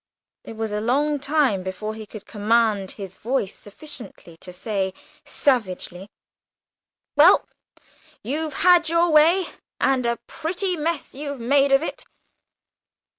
It was a long time before he could command his voice sufficiently to say, savagely: "Well, you've had your way, and a pretty mess you've made of it.